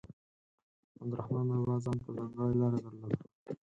عبدالرحمان بابا ځانته ځانګړې لاره درلوده.